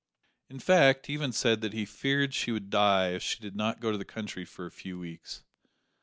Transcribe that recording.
In fact, he even said that he feared she would die if she did not go to the country for a few weeks.